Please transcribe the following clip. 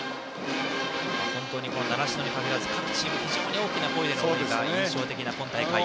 本当に習志野に限らず各チーム非常に大きな声援が印象的です。